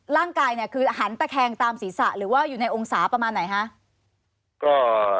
ร่างกายเนี่ยคือหันตะแคงตามศีรษะหรือว่าอยู่ในองศาประมาณไหนคะ